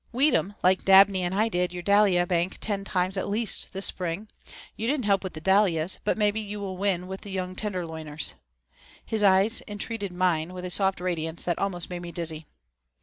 "Weed 'em, like Dabney and I did your dahlia bank ten times at least this spring. You didn't help with the dahlias, but maybe you will with the young Tenderloiners." His eyes entreated mine with a soft radiance that almost made me dizzy.